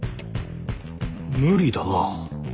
無理だな。